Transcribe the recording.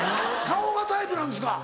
顔がタイプなんですか？